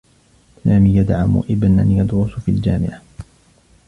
سامي يدعم إبنا يدرس في الجامعة.